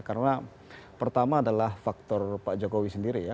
karena pertama adalah faktor pak jokowi sendiri ya